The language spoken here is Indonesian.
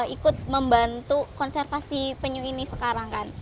ikut membantu konservasi penyu ini sekarang kan